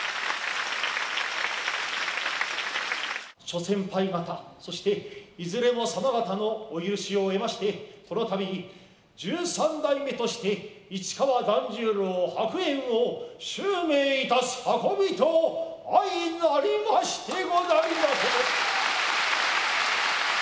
諸先輩方そしていずれも様方のお許しを得ましてこの度十三代目として市川團十郎白猿を襲名いたす運びと相なりましてござりまする。